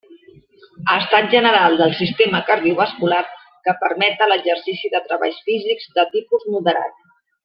Estat general del sistema cardiovascular que permeta l'exercici de treballs físics de tipus moderat.